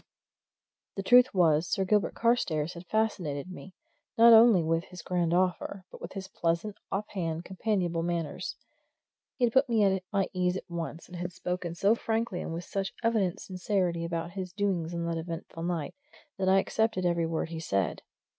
The truth was, Sir Gilbert Carstairs had fascinated me, not only with his grand offer, but with his pleasant, off hand, companionable manners. He had put me at my ease at once; he had spoken so frankly and with such evident sincerity about his doings on that eventful night, that I accepted every word he said.